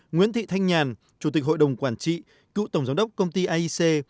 nguyễn thị thanh nhàn chủ tịch hội đồng quản trị cựu tổng giám đốc công ty aic